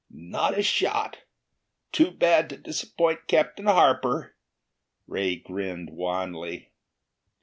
"Not a shot! Too bad to disappoint Captain Harper." Ray grinned wanly.